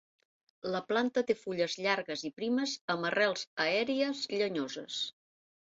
La planta té fulles llargues i primes amb arrels aèries llenyoses.